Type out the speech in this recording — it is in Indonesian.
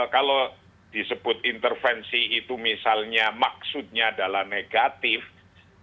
kalau disebut intervensi itu misalnya maksudnya adalah negatif maksudnya adalah negatif